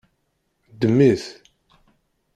Ddem-it!